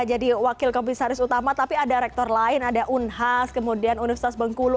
jadi wakil kompensaris utama tapi ada rektor lain ada unhas kemudian universitas bengkulu